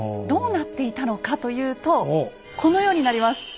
どうなっていたのかというとこのようになります。